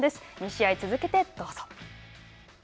２試合続けてどうぞ。